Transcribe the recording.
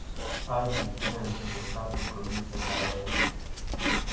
Hai incidencias nas catro provincias galegas.